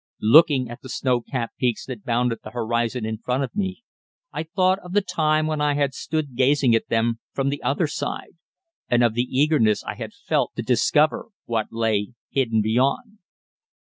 Looking at the snow capped peaks that bounded the horizon in front of me, I thought of the time when I had stood gazing at them from the other side, and of the eagerness I had felt to discover what lay hidden beyond.